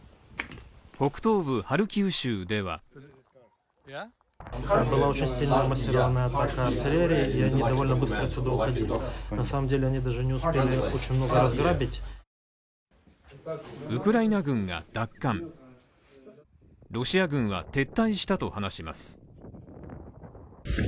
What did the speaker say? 北東部ハルキウ州ではウクライナ軍が奪還、ロシア軍が撤退したと話します。